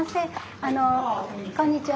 あのこんにちは。